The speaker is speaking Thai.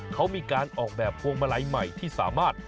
เขามีการออกแบบพวงมาลัยใหม่ที่สามารถ